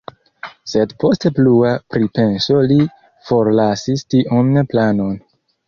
Sed post plua pripenso li forlasis tiun planon.